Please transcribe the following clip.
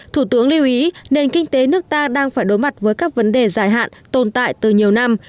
thủ tướng lưu ý nền kinh tế nước ta đang phải đối mặt với các vấn đề dài hạn tồn tại từ nhiều năm